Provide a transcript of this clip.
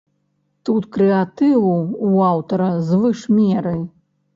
Тут крэатыву ў аўтара звыш меры.